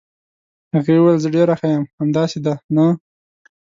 هغې وویل: زه ډېره ښه یم، همداسې ده، نه؟